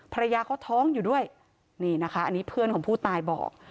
ภรรยาเขาท้องอยู่ด้วยนี่นะคะอันนี้เพื่อนของผู้ตายบอก